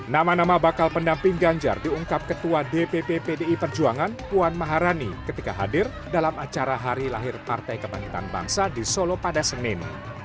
nama nama bakal pendamping ganjar diungkap ketua dpp pdi perjuangan puan maharani ketika hadir dalam acara hari lahir partai kebangkitan bangsa di solo pada senin